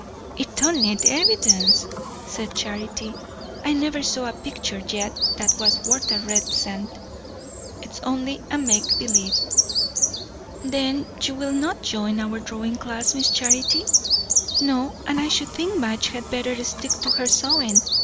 "It don't need evidence," said Charity. "I never saw a picture yet that was worth a red cent. It's only a make believe." "Then you will not join our drawing class, Miss Charity?" "No; and I should think Madge had better stick to her sewing.